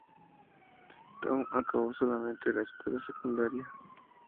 Tom acabó solamente la escuela secundaria.